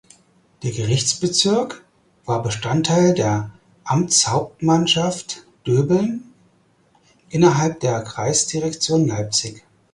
Der Gerichtsbezirk war Bestandteil der Amtshauptmannschaft Döbeln innerhalb der Kreisdirektion Leipzig.